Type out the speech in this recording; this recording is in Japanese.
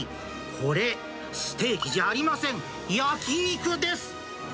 これ、ステーキじゃありません、焼き肉です。